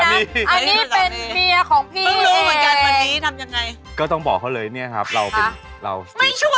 อันนี้เป็นเมียของพี่